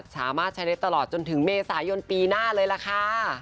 สามารถใช้ได้ตลอดจนถึงเมษายนปีหน้าเลยล่ะค่ะ